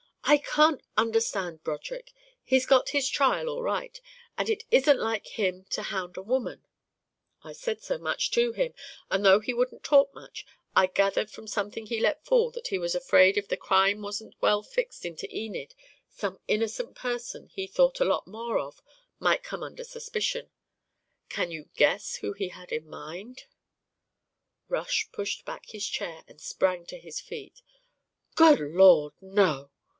"I can't understand Broderick. He's got his trial all right, and it isn't like him to hound a woman " "I said as much to him, and though he wouldn't talk much, I just gathered from something he let fall that he was afraid if the crime wasn't well fixed onto Enid some innocent person he thought a lot more of might come under suspicion. Can you guess who he had in mind?" Rush pushed back his chair and sprang to his feet. "Good Lord, no.